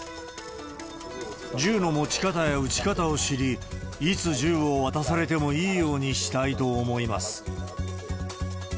銃の持ち方や撃ち方を知り、いつ銃を渡されてもいいようにしたいと思います。